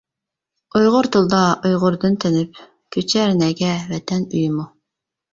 ئۇيغۇر تىلدا ئۇيغۇردىن تېنىپ، كۆچەر نەگە ۋەتەن ئۆيىمۇ.